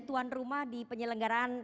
tuan rumah di penyelenggaraan